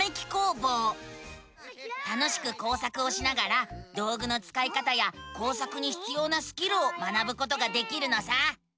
楽しく工作をしながら道ぐのつかい方や工作にひつようなスキルを学ぶことができるのさ！